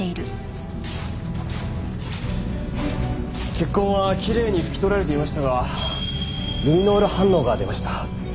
血痕はきれいに拭き取られていましたがルミノール反応が出ました。